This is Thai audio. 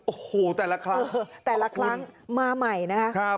โอ้โหแต่ละครั้งแต่ละครั้งมาใหม่นะครับ